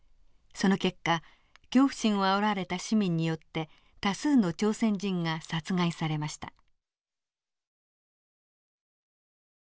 その結果恐怖心をあおられた市民によって多数の朝鮮人が殺害されました。